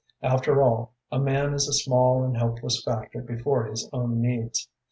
After all, a man is a small and helpless factor before his own needs.